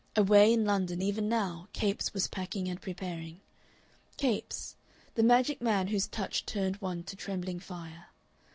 Away in London even now Capes was packing and preparing; Capes, the magic man whose touch turned one to trembling fire.